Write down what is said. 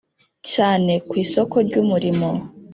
cyane ku isoko ry’umurimo.